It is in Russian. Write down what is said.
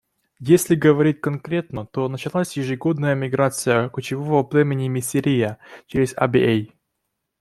Если говорить конкретно, то началась ежегодная миграция кочевого племени миссерия через Абьей.